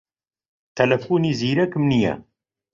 تەلەفۆنی زیرەکم نییە.